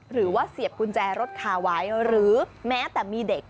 เสียบกุญแจรถคาไว้หรือแม้แต่มีเด็ก